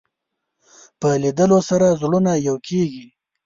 په لیدلو سره زړونه یو کېږي